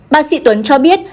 bác sĩ tuấn cho biết